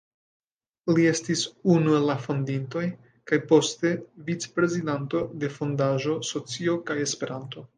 Li estis unu el la fondintoj, kaj poste vicprezidanto de Fondaĵo "Socio kaj Esperanto".